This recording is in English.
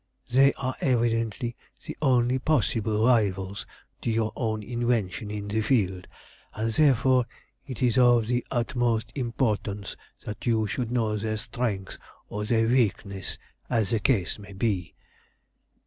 They are evidently the only possible rivals to your own invention in the field, and therefore it is of the utmost importance that you should know their strength or their weakness, as the case may be.